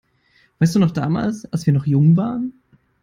Weißt du noch damals, als wir noch jung waren?